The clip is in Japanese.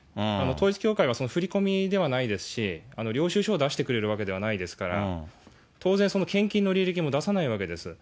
統一教会は振り込みではないですし、領収書を出してくれるわけではないですから、当然、献金の履歴も出さないわけです。